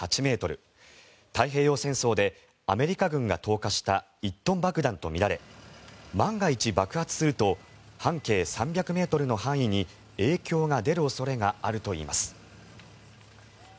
太平洋戦争でアメリカ軍が投下した１トン爆弾とみられ万が一爆発すると半径３００ｍの範囲に影響が出る恐れがあるといいます。